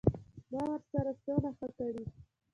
ما ورسره څونه ښه کړي.